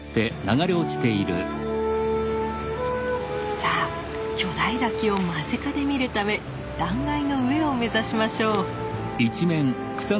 さあ巨大滝を間近で見るため断崖の上を目指しましょう。